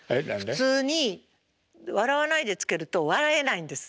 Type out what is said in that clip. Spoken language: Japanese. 普通に笑わないでつけると笑えないんです。